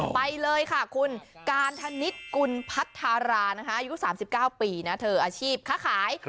ไปเลยค่ะคุณกาลธนิดกุลพัทธารายุคสามสิบเก้าปีเธออาชีพค้าขาย